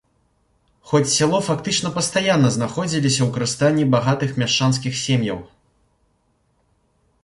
Хоць сяло фактычна пастаянна знаходзіліся ў карыстанні багатых мяшчанскіх сем'яў.